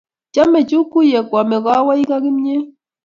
chomei chukuye koame kowoiik ak kimyet